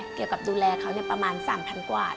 เกี่ยวกับดูแลเขาประมาณ๓๐๐กว่า